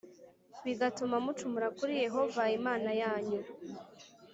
bigatuma mucumura kuri Yehova Imana yanyu